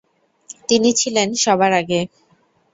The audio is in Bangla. তিনি ছিলেন সবার আগে।